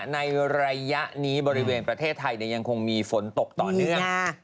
ในระยะนี้บริเวณประเทศไทยยังคงมีฝนตกต่อเนื่อง